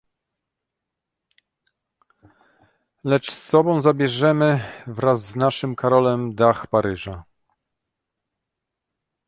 "Lecz z sobą zabierzemy wraz z naszym Karolem, dach Paryża."